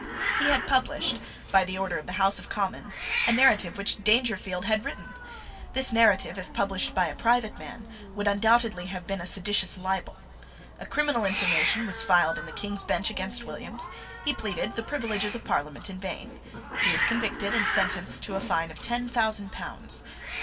He had published, by order of the House of Commons, a narrative which Dangerfield had written. This narrative, if published by a private man, would undoubtedly have been a seditious libel. A criminal information was filed in the King's Bench against Williams: he pleaded the privileges of Parliament in vain: he was convicted and sentenced to a fine of ten thousand pounds.